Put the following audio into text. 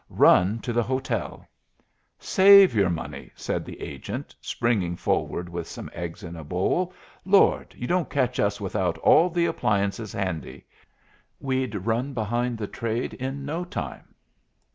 "Run to the hotel " "Save your money," said the agent, springing forward with some eggs in a bowl. "Lord! you don't catch us without all the appliances handy. We'd run behind the trade in no time.